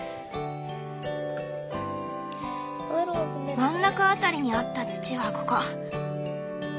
真ん中辺りにあった土はここ。